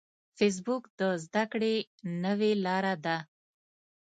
فېسبوک د زده کړې نوې لاره ده